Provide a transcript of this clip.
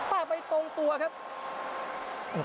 ไปตรงตัวครับ